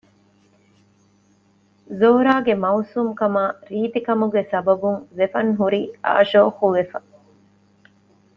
ޒޯރާގެ މައުސޫމު ކަމާ ރީތި ކަމުގެ ސަބަބުން ޒެފަން ހުރީ އާޝޯޙު ވެފަ